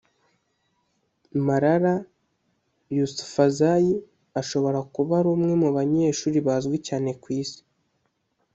Malala Yousafzai ashobora kuba ari umwe mu banyeshuri bazwi cyane ku Isi